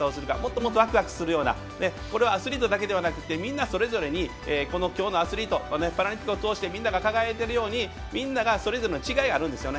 もっとワクワクするようなこれはアスリートだけではなくてみんなそれぞれにアスリートパラリンピックを通してみんなが輝いているようにみんながそれぞれ違いがあるんですよね。